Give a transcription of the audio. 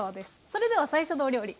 それでは最初のお料理